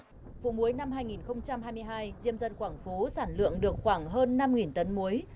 vụ muối năm hai nghìn hai mươi hai diêm dân quảng phú sản lượng được khoảng hơn năm tấn muối